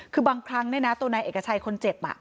คือบางครั้งตัวนายเอกชัยคนเจ็บ